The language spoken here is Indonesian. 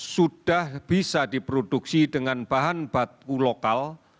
sudah bisa diproduksi dengan bahan baku lokal